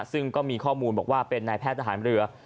ซึ่งก็มีข้อมูลบอกว่าเป็นนายแพทย์ทหารเรือ